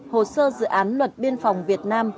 hồ sơ dự án luật biên phòng việt nam